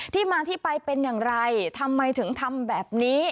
ที่มาที่ไปเป็นอย่างไรทำไมถึงทำแบบนี้